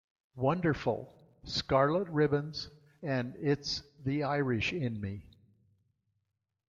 Wonderful", "Scarlet Ribbons" and "It's the Irish in Me".